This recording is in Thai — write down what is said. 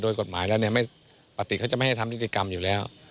โดยกฎหมายแล้วปฏิเขาจะไม่ให้ทำธิกรรมอยู่แล้ว